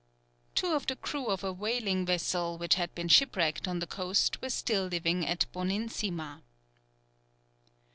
Two of the crew of a whaling vessel, which had been shipwrecked on the coast, were still living at Bonin Sima.